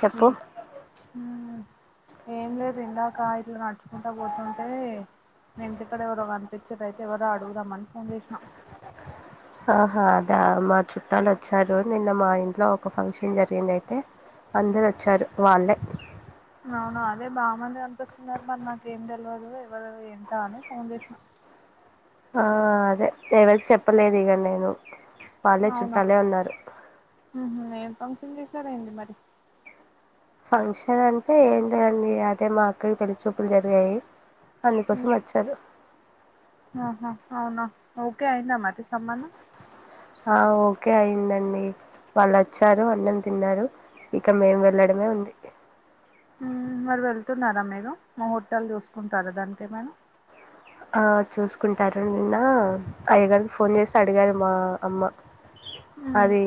చెప్పు హ ఏం లేదు ఇందాక ఇట్లా నడుచుకుంటా పోతుంటే నే ఇంటిక్కడ ఎవరో కనిపించే ప్రై ఎవరో అడుగుదామని ఫోన్ చేసినాం ఆహా మా చుట్టాలు వచ్చారు నిన్న మా ఇంట్లో ఒక ఫంక్షన్ జరిగింది అయితే అందరు వచ్చారు వాళ్ళే అవునా అదే బాగుమంది అనిపిస్తున్నారు మరి నాక ఏం తెలియదు ఎవ్వరు ఏంటా అని ఫోన్ చేసిన ఆ అదే ఎవరికి చెప్పలేదు ఇక నేను పాలే అవునా చుట్టాలే ఉన్నారు ఉహు, ఏం ఫంక్షన్ చేసార అయింది మరి ఫంక్షన్ అంటే ఏంటిదండి అదే మాకు పిలి చూపులు జరిగాయి అందుకోసం వచ్చారు ఆహా అవునా ఓకే అయిందామ్మా అతి సంబంధం ఆ ఓకే అయిందండి వాళ్ళు వచ్చారు అన్నని తిన్నారు ఇక మేం వెళ్లడమే ఉంది మరి వెళ్తున్నారా మీరు ముహూర్తాలు చూసుకుంటారా దాని ఏమైనా ఆ చూసుకుంటారు నిన్న అయ్యాగారినికి ఫోన్ చేసి అడిగారు మా అమ్మ అదే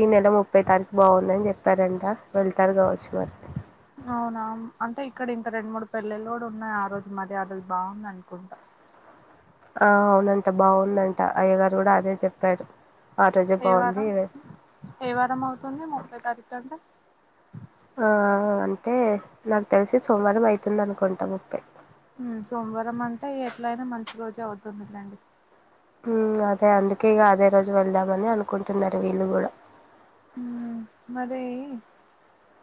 ఈ నెల ముప్పై తారీకు బాగుందని చెప్పారంట వెళ్తారు కావచ్చు మరి అవునా అంటే ఇక్కడ రెండు మూడు పెళ్లలు కూడా ఉన్నాయి ఆ రోజు మర్యాద బాగుంది అనుకుంటా ఆ అవునంట బాగుందంట అయ్య గారు కూడా అదే చెప్పారు ఆ రోజే ఏ బాగుంది వారం ఏ వారం అవుతుంది ముప్పై తారీఖ అంటే ఆ అంటే నాకు తెలిసి సోమవారం అయితుంది అనుకుంటాం ముప్పే సోమవారం అంటే ఎట్లయినా మంచి రోజు అవుతుందిలేండి అదే అందుకే ఇక అదే రోజు వెళ్దామని అనుకుంటున్నారు వీళ్ళు కూడా ఉ మరి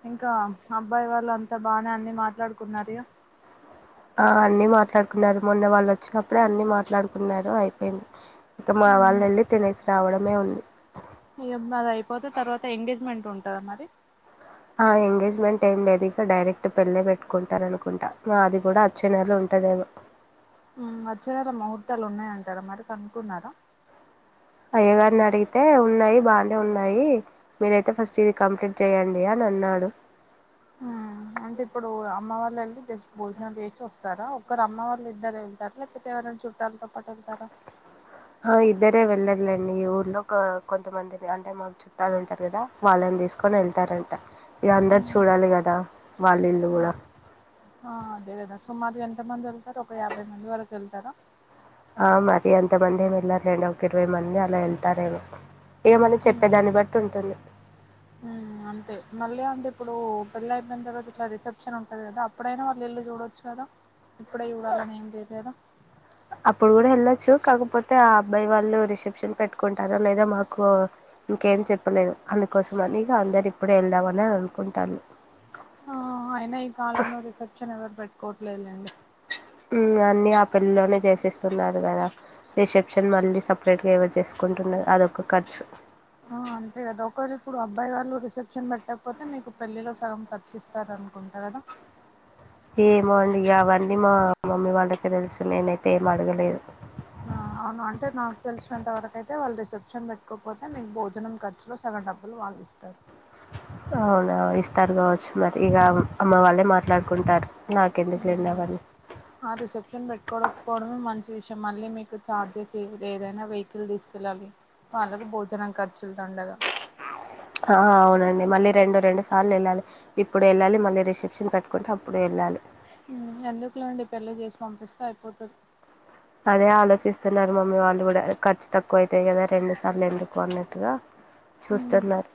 ఇంకా అబ్బాయి వాళ్ళు అంతా బానే అన్ని మాట్లాడుకున్నార ఆ అన్ని మాట్లాడుకున్నారు మొన్న వాళ్ళు వచ్చినప్పుడే అన్ని మాట్లాడుకున్నారు అయిపోయింది ఇంక మా వాళ్ళు వెళ్ళి తినేసి రావడమే ఉంది ఇ అది అయిపోతే తర్వాత ఎంగేజ్మెంట్ ఉంటదా మరి ఆ ఎంగేజ్మెంట్ ఏం లేదు ఇ డైరెక్ట్ పెళ్ళ పెట్టుకుంటారు అనుకుంటా మాది కూడా అచ్చే నెలలో ఉంట [unintelligible] అచ్చేనెల ముహూర్తాలు ఉన్నాయంటారా మరి కనుకున్నారా అయ్య గారిని అడిగితే ఉన్నాయి బానే ఉన్నాయి మీరయితే ఫస్ట్ ఇది కంప్లీట్ చేయడియా నా కన్నాడు ఆ అంటే ఇప్పుడు అమ్మ వాళ్ళు వెళ్ళి జస్ట్ భోజనాలు చేసి వస్తారా ఒకక్కరు అమ్మ వాళ్ళ ఇద్దరు వెళ్తారు లేకపోతే ఎవరైనా చుట్టాలు ఉంతప్పటకుతారా ఇద్దరే వెళ్ళర్లేండి ఊర్లో కొంతమంది అంటే మాకు చుట్టాలు ఉంటారు కదా వాళ్లని తీసుకొని వెళ్తారంట ఇగ అందరు చూడాలి కదా వాళ్ళ ఇల్లు కూడా ఆ అదే కదా సుమారు ఎంత మంది వెళ్తారు ఒక యాభై మంది వరకు వెళ్తారా ఆ మరి అంతమంది ఏమి వెళ్లారు రెం ఒక ఇరవై మంది అలా వెళ్తారేమో ఏమని చెప్పేదాన్ని బట్టి ఉంటుంది హ్మ్ అంతే మళ్ళీ అంటే ఇప్పుడు పెళ్లి అయిపోయిన తరువాత ఇట్లా రిసెప్షన్ ఉంటది కదా అప్పుడైనా వాళ్ళు ఇల్లు చూడచ్చు కదా ఇప్పుడే ఇవ్వాలని ఏం లేదు కదా అప్పుడు కూడా వెళ్ళొచ్చు కాకపోతే ఆ అబ్బాయి వాళ్ళు రిసెప్షన్ పెట్టుకుంటారా లేదా మాకు ఇంకేం చెప్పలేదు అందుకోసం అనిక అందరు ఇప్పుడే వెళ్దామని అని అనుకుంటారు ఆ అయినా ఈ కాలంలో రిసెప్షన్ ఎవరు పెట్టుకోట్లేదుండి ఉ అన్ని ఆ పెళ్లిలోనే చేసేస్తున్నారు కదా రిసెప్షన్ మళ్ళీ సపరేట్ గా ఏవో చేసుకున్ ఉంటున్నది అదొక ఖర్చు ఆ అంతే కదా ఒకవేళ ఇప్పుడు అబ్బాయి వాళ్ళు రిసెప్షన్ పెట్టకపోతే మీకు పెళ్ళిలో సగం ఖచిస్తార అనుకుంటా కదా ఏమో అండి ఇగ అవన్నీ మా మమ్మీ వాళ్ళకి తెలుసు నేనైతే ఏమి అడగలేదు ఆ అవును అంటే నాకు తెలిసినంత వరకు అయితే వాళ్ళు రిసెప్షన్ పెట్టుకోకపోతే మీకు భోజనం ఖర్చులో సగం డబ్బులు వాళ్ళిస్తారు అవునా ఇస్తారు కావచ్చు మరి ఇక అమ్మ వాళ్ళే మాట్లాడుకుంటారు హు నాకెందుకులేండి అవన్నీ ఆ రిసెప్షన్ పెట్టుకోకపోవడమే మంచి విషయం మళ్ళీ మీకు చార్జెస్ ఏదైనా వెహికల్ తీసుకెళ్లాలి వాళ్లకు భోజనం క చ్చు తండగా అవునండి మళ్ళీ రెండు రెండు సార్లు వెళ్ళాలి ఇప్పుడు వెళ్ళాలి మళ్ళీ రిసెప్షన్ పెట్టుకుంటే అప్పుడు వెళ్ళాలి ఉ ఎందుకులేండి పెళ్లి చేసి పంపిస్తే అయిపోతది అదే ఆలోచిస్తున్నారు మమ్మీ వాళ్ళు కూడా ఖర్చు తక్కువ అవుతయి కదా రెండు సార్లు ఎందుకు అన్నట్టుగా ఉమ్, చూస్తున్నారు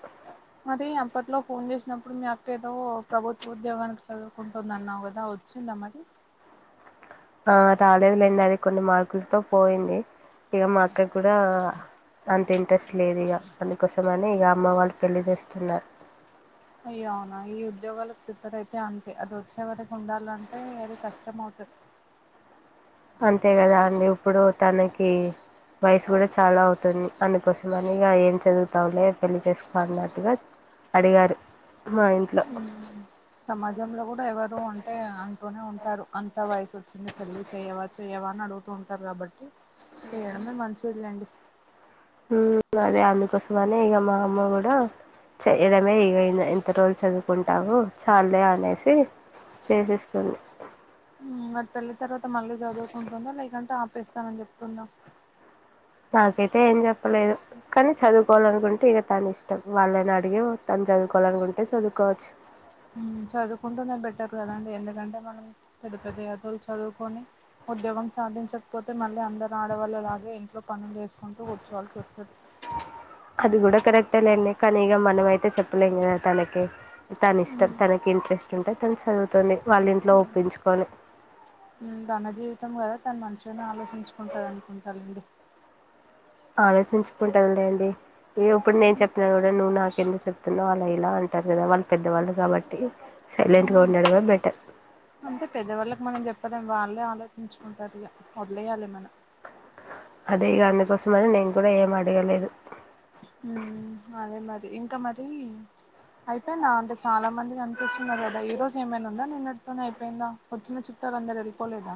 మరి అప్పట్లో ఫోన్ చేసినప్పుడు ఇప్పుడు మ అక్కేదో ప్రభుత్వ ఉద్యోగానికి చదువుకుంటుందన్నావు కదా వచ్చిందా మరి ఆ రాలేదులేండి అది కొన్ని మార్కులతో పోయింది ఇక మా అక్క కి కూడా అంత ఇంట్రెస్ట్ లేదు ఇక పనికోసమనే ఇక అమ్మ వాళ్ళు పెళ్లి చేస్తున్నారు అయ్య అవునా ఈ ఉద్యోగాలకు ప్రిపేర్ అయితే అంతే అది వచ్చే వర ఉండాలంటే అది కష్టం అవుతది అంతే కదా అండి ఇప్పుడు తనకి వయసు కూడా చాలా అవుతుంది అందుకోసమని ఇక ఏం చదువుతా ఉండే పెళ్లి చేసుకో అన్నట్టుగా అడిగారు మా ఇంట్లో ఉహు సమాజంలో కూడా ఎవరు ఉంటే అంటూనే ఉ టారు అంత వయసు వచ్చింది పెళ్లి చెయవా చెయ్యవా అని అడుగుతూ ఉంటారు కాబట్టి చేయడమే మంచిది లేండి ఉ అదే అందుకోసమనే ఇక మా అమ్మ కూడా చేయడమే ఇగ ఎంత రోజులు చదువుకుంటావు చాల్లే అనేసి చేసేస్ ఉ అటు పెళ్లి తర్వాత మళ్ళీ చదువుకుంటుందా లేకంటే ఆపేస్తానని చెప్తుందా నాకైతే ఏం చెప్పలేదు కానీ చదువుకోవాలనుకుంటే ఇక తన ఇష్టం వాళ్ళని అడిగి తను చదువుకోవాలనుకుంటే చదువుకోవచ్చు చదువుకుంటూనే బెట్టరు కదండి ఎందుకంటే మనం పెద్ద పెద్ద ఎతలు చదువుకొని ఉద్యోగం సాధించకపోతే మళ్ళీ అందరు ఆడవాళ్ళలాగే ఇంట్లో పనులు చేసుకుంటూ కూర్చోవాల్సి వస్తది అది కూడా కరెక్టే లేండి కానీ ఇక మనమయితే చెప్పలేం కదా తనకి తన ఇష్టం తనకి ఇంట్రెస్ట్ ఉంటే తను చదువుతుంది వాళ్ళ ఇంట్లో ఒప్పించుకొని ఉమ్ తన జీవితం కదా తను మంచిగానే ఆలోచించుకుంటాది అనుకుంటా లేండి ఆలోచించుకుంటదిలేండి ఏ ఇప్పుడు నేను చెప్పిన కూడా నువ్వు నాకు ఎందుకు చెప్తున్నా అలా ఇలా అంటారు కదా వాళ్ళు పెద్దవాళ్ళు కాబట్టి ఉ సైలెంట్గా ఉండడమే బెటర్ అంటే పెద్దవాళ్ళకి మనం చెప్పలేం వాళ్ లే ఆలోచించుకుంటారు ఇగ వదిలేయాలి మనం అదే అందుకోసమని నేను కూడా ఏం అడగలేదు ఉమ్ అదే మరి ఇంకా మర అయిపోయిందా అంటే చాలా మంది కనిపిస్తున్నారు కదా ఈ రోజు ఏమైనా ఉందా నిన్న తోనే అయిపోయిందా వచ్చిన చుట్టాలు అందరు వెళ్ళిపోలేదా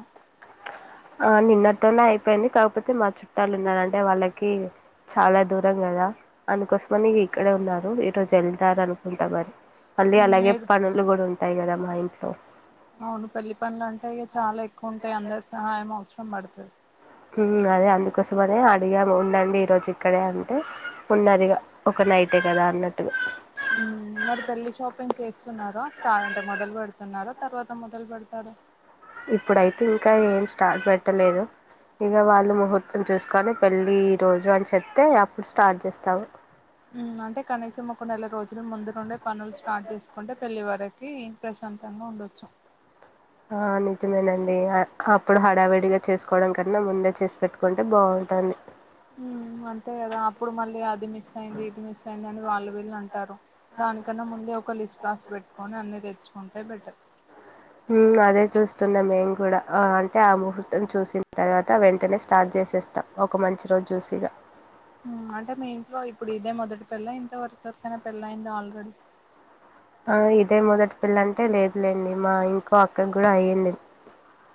నిన్నతోనే అయిపోయింది కాకపోతే మా చుట్టాలు ఉన్నారంటే వాళ్ళకి చాలా దూరం కదా అందుకోసమని ఇక్కడే ఉన్నారు ఈ రోజు వెళ్తారు అనుకుంటా మరి మళ్ళీ ఉమ్ అలాగే ఏడు పనులు కూడా ఉంటాయి కదా మా ఇంట్లో అవును పెళ్లి పనులు అంటే ఇగ చాలా ఎక్కువ ఉంటాయి అందరి సహాయం అవసరం పడుతది అదే అందుకోసం అనే అడిగాము ఉండండి ఈ రోజు ఇక్కడే అంటే ఉన్నదిగా ఒక నె అయితే కదా అన్నట్టుగా మరి పెళ్లి షాపింగ్ చేస్తున్నారు స్టార్ అంటే మొదలు పెడుతున్నారు తర్వాత మొదలు పెడతారు ఇప్పుడైతే ఇంకా ఏం స్టార్ట్ పెట్టలేదు ఇక వాళ్ళు ముహూర్తం చూసుకొని పెళ్ళి ఈ రోజు అని చెప్తే అప్పుడు స్టార్ట్ చేస్తావు అంటే కనీసం ఒక నెల రోజు ముందు నుండే పనులు స్టార్ట్ చేసుకుంటే పెళ్లి వరికి ప్రశాంతంగా ఉండొచ్చు ఆ నిజమేనండి అప్పుడు హడావిడిగా చేసుకోవడం కన్నా ముందే చేసి పెట్టుకుంటే బాగు ఉంటాంది ఉమ్ అంతే కదా అప్పుడు మళ్ళీ అది మిస్ అయింది ఇది మిస్ అయింది అని వాళ్ళు వీళ్ళు అంటారు దానికన్నా ముందే ఒక లిస్ రాస్ పెట్టుకొని అన్ని తెచ్చుకుంటే బెటర్ ఉమ్ అదే చూస్తున్నా మేం కూడా అంటే ఆ ముహూర్తం చూసిన తర్వాత వెంటనే స్టార్ట్ చేస్ చేస్తా ఒక మంచి రోజు చూసి ఇగ ఉమ్ అంటే మీ ఇంట్లో ఇప్పుడు ఇదే మొదటి పెళ్ల ఇంతవరకు ఎవరకైయినా పెళ్ళ అయింది ఆల్రెడీ ఆ ఇదే మొదటి పెల్ల అంటే లేదులేండి మా ఇంకో అక్కకి కూడా అయింది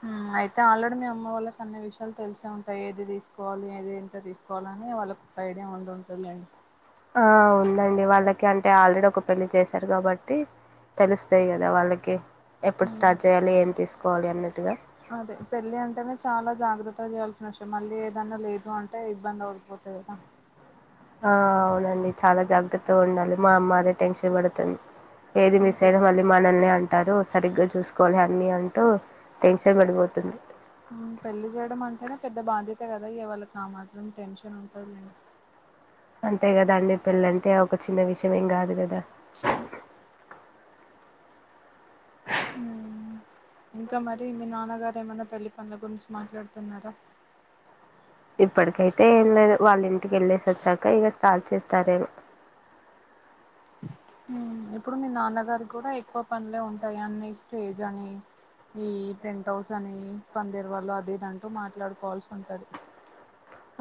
ఉమ్ అయితే ఆల్రెడీ మీ అమ్మ వాళ్ళకి అన్ని విషయాలు తెలిసే ఉంటాయి ఏది తీసుకోవాలి ఏది ఎంత తీసుకోవాల అనీ వాళ్ళ కు ఒక ఐడియా ఉండింటుంది లే ఆ ఉందండి వాళ్ళకి అంటే ఆల్రెడీ ఒక పెళ్లిి చేశారు కాబట్టి తెలుస్తాయి కదా వాళ్ళకి ఎప్పుడు ఉమ్ స్టార్ట్ చేయాలి ఏం తీసుకోవాలి అన్నది అదే పెళ్ళి అంటేనే చాలా జాగ్రత్తగా చేయాల్సిన విషయం మళ్ళీ ఏదన్నా లేదు అం టే ఇబ్బందవు పోతది ఆ ఆ అవునండి చాలా జాగ్రత్తగా ఉండాలి మా అమ్మ అదే టెన్షన్ పడుతుంది ఏది మిస్ అంతే అయ్యిన మళ్ళీ మనల్నే అంటారు సరిగ్గా చూసుకోవాలి అన్నీ అంటూ టెన్షన్ పడిపోతుంది ఉం పెళ్లి చేయడం అంటేనే పెద్ద బాధ్యత కదా ఇగ వాళ్ళకి ఆ మాత్రం టెన్షన్ ఉంటది లే అంతే కదా అండి పెళ్ళంటే ఒక చిన్న విషయం ఏం కాదు కదా అ ఉమ్ ఇంకా మరి మీ నాన్నగారు ఏమన్నా పెళ్లి పనుల గురించి మాట్లాడుతున్నారా ఇప్పటికైతే ఏం లేదు వాళ్ళ ఇంటికిళ్ళేసి వచ్చాక ఇక స్టార్ట్ చేస్ తరేమో ఉమ్ ఇప్పుడు మీ నాన్నగారు కూడా ఎక్కువ పనులే ఉంటాయి అన్ని స్టేజ్ అని ఈ టెంట్ హౌస్ అని పందేరు వాళ్ళు అదిదంటూ మాట్లాడుకోవాల్సి ఉంటది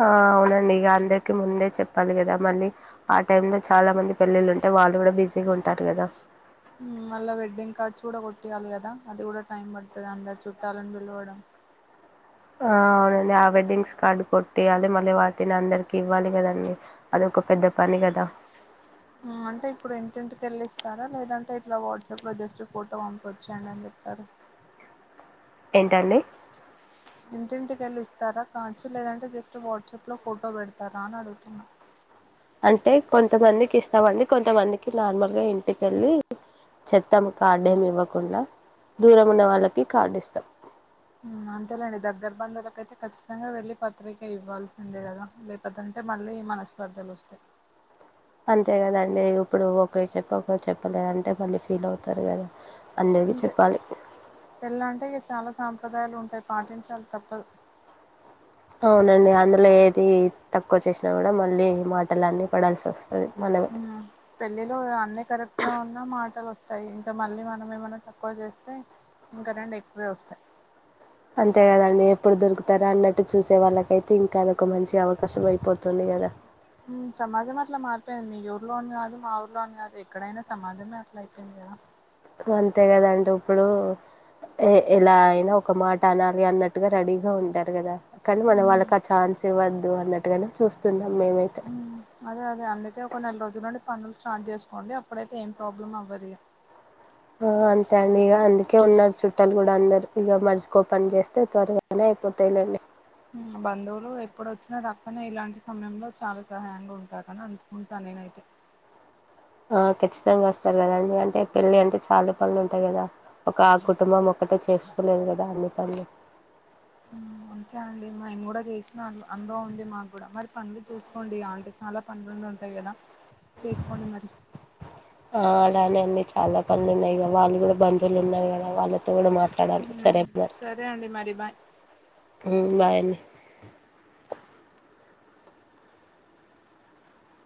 ఆ అవునండి ఇక అందరికి ముందే చెప్పాలి కదా మళ్ళీ ఆ టైమ్ లో చాలా మంది పెళ్ళిళ్ళుంటే వాళ్ళు కూడా బిజీగా ఉంటారు కదా ఉమ్ మళ్ళా వెడ్డింగ్ కార్డ్స్ కూడా కొట్టియాలి కదా అది కూడా టైం పడుతది అందరి చుట్టాలని పిలవడం ఆ అవునండి ఆ వెడ్డింగ్స్ కార్డు కొట్టియాలి మళ్ళీ వాటిని అందరికి ఇవ్వాలి కదండి అదొక పెద్ద పని కదా అంటే ఇప్పుడు ఇంటింటికిెళ్ళిస్తారా లేదంటే ఇట్లా వాట్సాప్ లో జస్ట్ ఫోటో పంపవచ్చెయ్యండి అని చెప్ప అరు ఎంటండి ఇంటింటికిెళ్ళు ఇస్తారా కార్డ్స్ లేదంటే జస్ట్ వాట్సాప్ లో ఫోటో పెడతారా అని అడుగుతున్నా అంటే కొంతమందికి ఇస్తామండి కొంతమందికి నార్మల్ గా ఇంటికెళ్ళి చెప్తాము కార్డేమి ఇవ్వకుండా దూరం ఉన్న వాళ్ళకి కార్డు ఇస్తాం ఉమ్ అంతేలేండి దగ్గరి బంధులకు ఐతే ఖచ్చితంగా వెళ్ళి పత్రిక ఇవ్వాల్సిందే కదా లేకపోతేంటే మళ్ళీ మనస్పర్ధలు వస్తాయి అంతే కదండి ఇప్పుడు ఒకరికి చెప్పి ఒకరు చెప్పలేదంటే మళ్ళీ ఫీల్ అవుతారు కదా అందరికి అంతే చెప్పాలి పెళ్ళంటే ఇక చాలా సాంప్రదాయాలు ఉంటాయి పాటించాలి తప్పదు అవునండి అందులో ఏది తక్కువ చేేసినా కూడా మళ్ళీ మాటలు అన్నిీ పడాల్సి వస్త అవునా పెళ్ళిలో అన్ని కరెక్ట్ గా ఉన్న మాటలు వస్తా స్తాయి ఇంకా మళ్ళీ మనం ఏమన్నా తక్కువ చేస్తే ఇంకా రెండు ఎక్కువే వస్తాయి అంతే కదండి ఎప్పుడు దొరుకుతారా అన్నట్టు చూసే వాళ్ళకైతే ఇంకా అదొక మంచి అవకాశం అయిపోతుంది కదా ఉమ్ సమాజం అట్లా మారిపోయింది మీ ఊర్లో అని కాదు మా ఊర్లో అని కాదు ఎక్కడైనా సమాజమే అట్లా అయిపోయింది కదా అంతే కదండి ఇప్పుడు ఏ ఇలా అయినా ఒక మాట అనాలి అన్నట్టుగా రెడీగా ఉంటారు కదా కనీ మనం ఉమ్ వాళ్ళకి ఆ ఛాన్స్ ఇవద్దు అన్నట్టుగానే చూస్తున్నా ఉమ్ అదే అదే అందుకే ఒక నెల రోజుల నుండి పనులు స్టార్ట్ చేసుకోండి అప్ అప్పుడతే ఏం ప్రాబ్లమ్ అవ్వదు ఇగ ఓ అంతే అండి ఇగ అందుకే ఉన్న చుట్టాలు అందరికూ మనిషి కో పని చేస్తే త్వరగానే అయిపోతాయిలేండి బంధువులు ఎప్పుడుచ్చినా రాకపొయిన ఇలాంటి సమయంలో చాలా సహాయంగా ఉంటారు అని అనుకుంటా నినాయితే ఒ ఖచ్చితంగా వస్తారు కదాండి అంటే పెళ్ళి అంటే చాలా పనులు ఉంటాయి కదా ఒక ఆ కుటుంబం ఒక ఒక్కతే చేసుకోలేవు కదా అన్ని పనులు ఆ అంతే అండి మిము కూడా చేసినొళ్ళు అనుభవం ఉంది మాకు కూడా మరి పనులు చూసుకోండి అంటే చాలా పనులు ఉన్నొళ్ళు ఉంటాయి కదా చేసుకోండి మరి ఆ అలానేండి చాలా పనులు ఉన్నాయి కదా అది కూడ బంధవులున్నాయి కదా వాళ్ళతో కూడా మాట్లా సరే అండి మరి బాయ్ [unintelligible] అమ్మో